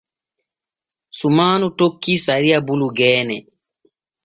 Sumaanu tokkii sariya bulu geene.